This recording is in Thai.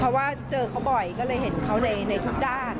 เพราะว่าเจอเขาบ่อยก็เลยเห็นเขาในทุกด้าน